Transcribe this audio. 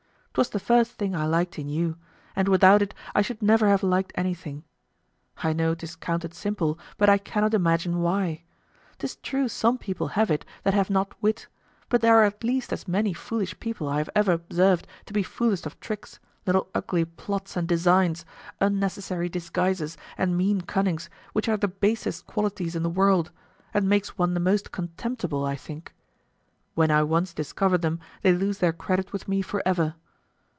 'Twas the first thing I liked in you, and without it I should never have liked anything. I know 'tis counted simple, but I cannot imagine why. 'Tis true some people have it that have not wit, but there are at least as many foolish people I have ever observed to be fullest of tricks, little ugly plots and designs, unnecessary disguises, and mean cunnings, which are the basest qualities in the world, and makes one the most contemptible, I think; when I once discover them they lose their credit with me for ever.